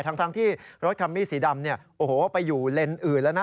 ทั้งที่รถคัมมี่สีดำไปอยู่เลนส์อื่นแล้วนะ